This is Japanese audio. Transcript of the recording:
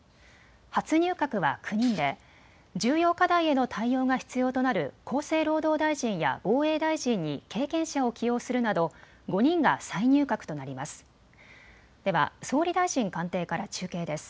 初入閣は９人で重要課題への対応が必要となる厚生労働大臣や防衛大臣に経験者を起用するなど５人が再入閣となります。